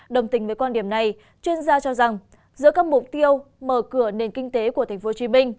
đồng tình với quan điểm này chuyên gia cho rằng giữa các mục tiêu mở cửa nền kinh tế của tp hcm